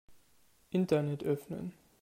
Internet öffnen.